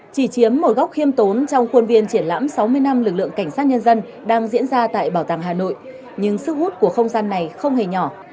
chỉ chiếm một góc khiêm tốn trong khuôn viên triển lãm sáu mươi năm lực lượng cảnh sát nhân dân đang diễn ra tại bảo tàng hà nội nhưng sức hút của không gian này không hề nhỏ